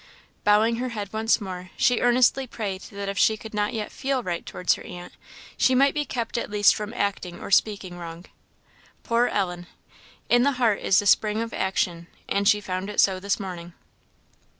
Bowing her head once more, she earnestly prayed that if she could not yet feel right towards her aunt, she might be kept at least from acting or speaking wrong. Poor Ellen! In the heart is the spring of action; and she found it so this morning.